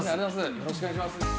よろしくお願いします。